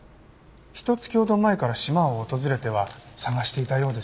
ひと月ほど前から島を訪れては探していたようです。